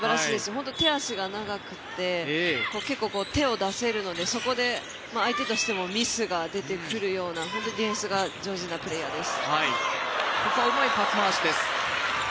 本当に手足が長くて結構、手を出せるのでそこで相手としてもミスが出てくるようなディフェンスが上手なプレーヤーです。